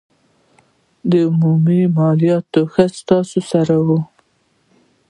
عمومي مالومات ښایي تاسو سره وي